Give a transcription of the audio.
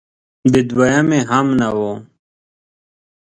د دویمې هم نه و